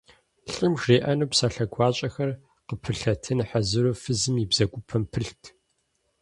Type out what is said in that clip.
Лӏым жриӀэну псалъэ гуащӀэхэр къыпылъэтын хьэзыру фызым и бзэгупэм пылът.